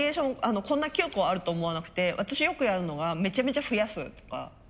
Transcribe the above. こんな９個あると思わなくて私よくやるのがめちゃめちゃ増やすとか。